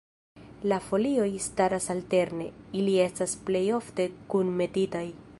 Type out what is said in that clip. La folioj staras alterne, ili estas plej ofte kunmetitaj.